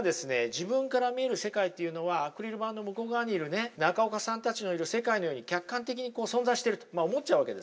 自分から見える世界っていうのはアクリル板の向こう側にいるね中岡さんたちのいる世界のように客観的に存在してると思っちゃうわけですね。